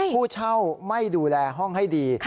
ผู้เช่าไม่ดูแลห้องให้ดี